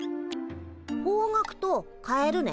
「方角」と「変える」ね。